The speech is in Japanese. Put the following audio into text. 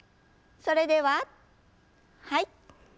それでははい。